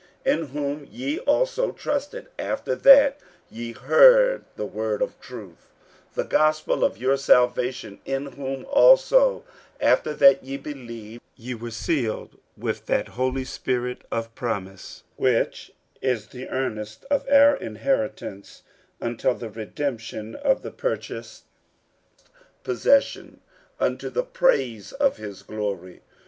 49:001:013 In whom ye also trusted, after that ye heard the word of truth, the gospel of your salvation: in whom also after that ye believed, ye were sealed with that holy Spirit of promise, 49:001:014 Which is the earnest of our inheritance until the redemption of the purchased possession, unto the praise of his glory.